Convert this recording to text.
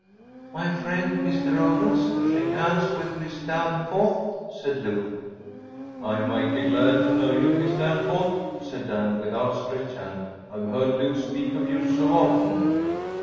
“My friend, Mr. Owens‚ÄĒshake hands with Miss Danforth,‚ÄĚ said Lou. “I’m mighty glad to know you, Miss Danforth,‚ÄĚ said Dan, with outstretched hand. “I’ve heard Lou speak of you so often.